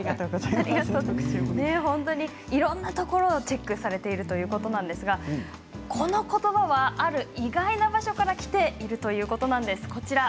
おかげさまでなりたい自分になれてるんじゃいろんなところをチェックされているということなんですがこのことばはある意外な場所から来ているということなんです。